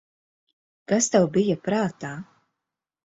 Kas tev bija prātā?